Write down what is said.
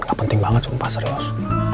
gak penting banget sumpah serius